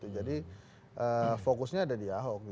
jadi fokusnya ada di ahok